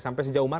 sampai sejauh mana